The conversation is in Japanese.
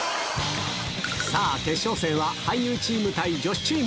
さあ、決勝戦は俳優チーム対女子チーム。